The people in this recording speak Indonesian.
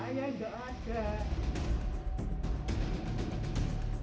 keluatan terus budi mali atau di sini